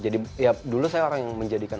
jadi ya dulu saya orang yang menjajikan